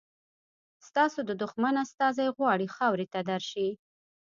ستاسو د دښمن استازی غواړي خاورې ته درشي.